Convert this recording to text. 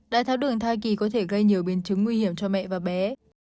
đái tháo đường thai kỳ có thể gây nhiều biến chứng nguy hiểm cho mẹ và bé